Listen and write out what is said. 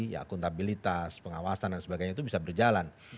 ya akuntabilitas pengawasan dan sebagainya itu bisa berjalan